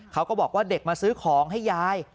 เขาก็บอกว่าเด็กมาซื้อของให้ยาย